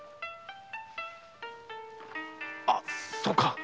あそうか。